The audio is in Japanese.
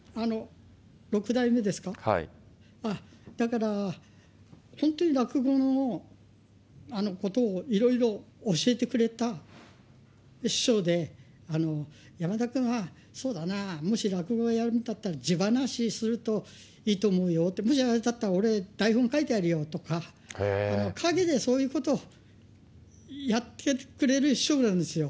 六代目ですか、だから本当に落語のことをいろいろ教えてくれた師匠で、山田君はそうだな、もし落語やるんだったらじばなしするといいと思うよって、もしあれだったら、俺、台本書いてやるよとか、陰でそういうこと、やってくれる師匠なんですよ。